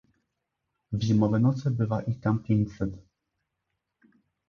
"W zimowe noce bywa ich tam pięćset."